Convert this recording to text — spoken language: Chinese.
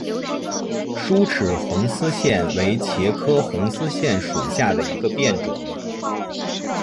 疏齿红丝线为茄科红丝线属下的一个变种。